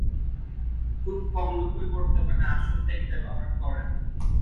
খুব কম লোকই বর্তমানে আসল টেক ব্যবহার করেন।